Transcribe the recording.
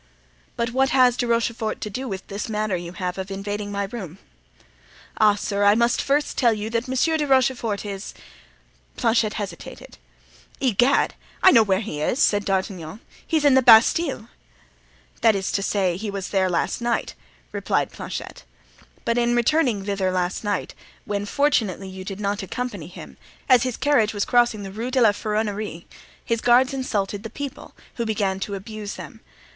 "But what has De Rochefort to do with this manner you have of invading my room?" "Ah, sir! I must first tell you that Monsieur de Rochefort is——" Planchet hesitated. "Egad, I know where he is," said D'Artagnan. "He's in the Bastile." "That is to say, he was there," replied Planchet. "But in returning thither last night, when fortunately you did not accompany him, as his carriage was crossing the Rue de la Ferronnerie his guards insulted the people, who began to abuse them.